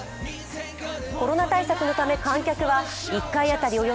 コロナ対策のため観客は１回当たり